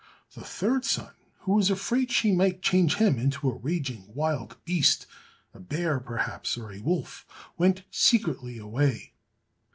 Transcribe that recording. The third son, who was afraid she might change him into a raging wild beast a bear perhaps, or a wolf, went secretly away.